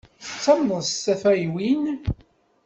Tattamneḍ s tafeywin?